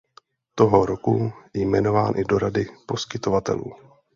Toho roku jmenován i do Rady poskytovatelů.